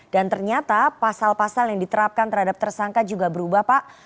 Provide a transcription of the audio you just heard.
dan ternyata pasal pasal yang diterapkan terhadap tersangka juga berubah pak